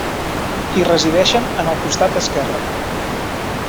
I resideixen en el costat esquerre.